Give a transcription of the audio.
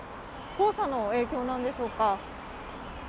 黄砂の影響なんでしょうか。